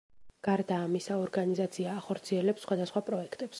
გარდა ამისა, ორგანიზაცია ახორციელებს სხვადასხვა პროექტებს.